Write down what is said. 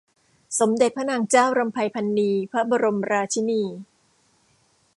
สมเด็จพระนางเจ้ารำไพพรรณีพระบรมราชินี